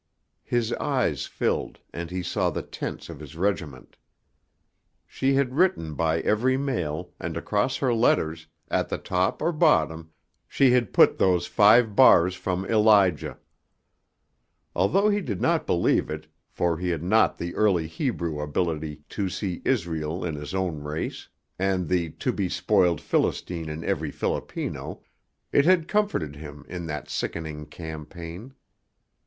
His eyes filled, and he saw the tents of his regiment. She had written by every mail, and across her letters, at the top or bottom, she had put those five bars from "Elijah." Though he did not believe it, for he had not the early Hebrew ability to see Israel in his own race, and the to be spoiled Philistine in every Filipino, it had comforted him in that sickening campaign.